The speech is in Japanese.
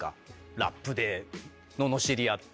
ラップでののしりあって。